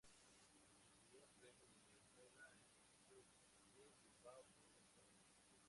Recibió el Premio de novela El Sitio, de Bilbao por esta obra.